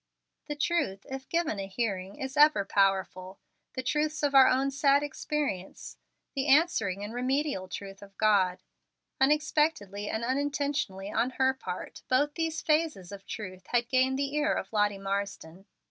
'" The truth, if given a hearing, is ever powerful, the truths of our own sad experience, the answering and remedial truth of God. Unexpectedly and unintentionally on her part, both these phases of truth had gained the ear of Lottie Marsden.